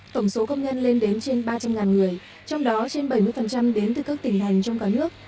tổng số công nhân lên đến trên ba trăm linh người trong đó trên bảy mươi đến từ các tỉnh thành trong cả nước